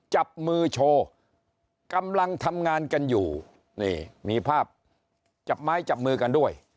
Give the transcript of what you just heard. จับมือโชว์กำลังทำงานกันอยู่นี่มีภาพจับไม้จับมือกันด้วย